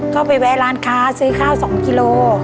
ก็ไปแวะร้านค้าซื้อข้าว๒กิโล